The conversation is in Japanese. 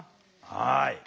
はい。